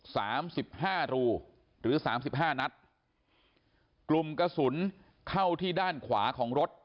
สามสิบห้ารูหรือสามสิบห้านัดกลุ่มกระสุนเข้าที่ด้านขวาของรถ